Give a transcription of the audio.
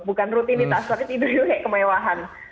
bukan rutin kita asalnya tidur itu kemewahan